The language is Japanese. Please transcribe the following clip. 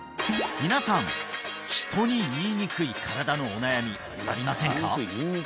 皆さん人に言いにくい身体のお悩みありませんか？